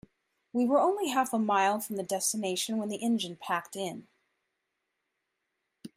We were only half a mile from the destination when the engine packed in.